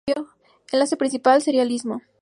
Enlace principal: serialismo.